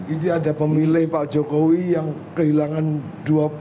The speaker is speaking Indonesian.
jadi ada pemilih pak jokowi yang kehilangan dua